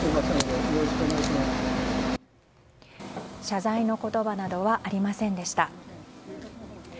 謝罪の言葉などはありませんでした。